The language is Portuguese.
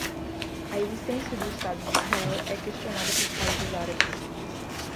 A existência do estado de Israel é questionada por países árabes